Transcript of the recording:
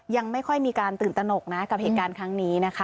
ยังไม่ค่อยมีการตื่นตนกนะกับเหตุการณ์ครั้งนี้นะคะ